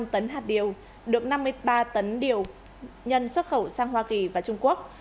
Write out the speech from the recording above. hai trăm sáu mươi năm tấn hạt điều được năm mươi ba tấn điều nhân xuất khẩu sang hoa kỳ và trung quốc